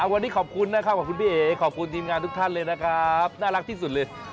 วันนี้ขอบคุณนะคะขอบคุณพี่เอ๋